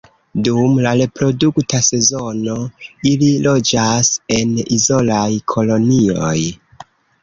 Dum la reprodukta sezono ili loĝas en izolaj kolonioj.